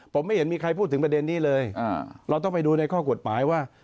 ผมไม่เห็นมีใครพูดถึงประเด็นนี้เลยเราต้องไปดูในข้อกฎหมายว่า